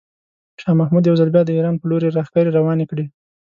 شاه محمود یو ځل بیا د ایران په لوري لښکرې روانې کړې.